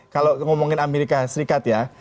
kalau ngomongin amerika serikat ya